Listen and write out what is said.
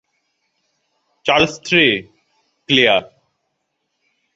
Charles three, clear.